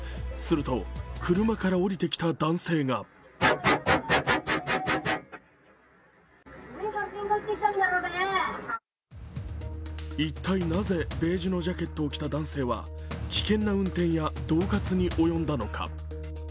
すると車から降りてきた男性が一体なぜベージュのジャケットを着た男性は危険な運転やどう喝に及んだのか。